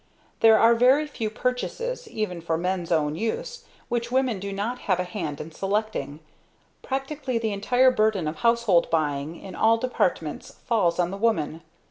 There are very few purchases, even for men's own use, which women do not have a hand in selecting. Practically the entire burden of household buying in all departments falls on the woman.